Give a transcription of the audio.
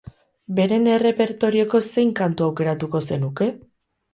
Beren errepertorioko zein kantu aukeratuko zenuke?